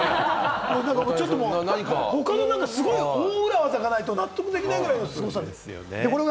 ちょっともう、他の何かすごい大裏技がないと納得できないぐらいのすごさです。